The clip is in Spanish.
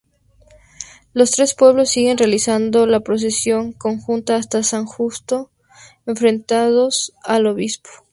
Los tres pueblos siguen realizando la procesión conjunta hasta San Justo enfrentados al obispado.